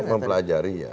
kita mempelajari ya